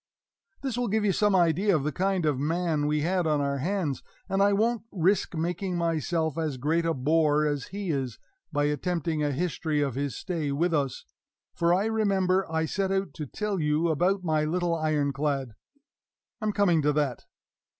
This will give you some idea of the kind of man we had on our hands; and I won't risk making myself as great a bore as he is, by attempting a history of his stay with us; for I remember I set out to tell you about my little Iron clad. I'm coming to that.